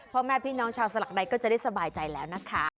พ่อแม่พี่น้องชาวสลักใดก็จะได้สบายใจแล้วนะคะ